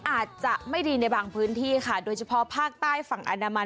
อาจจะไม่ดีในบางพื้นที่ค่ะโดยเฉพาะภาคใต้ฝั่งอนามัน